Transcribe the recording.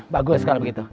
bagus kalau begitu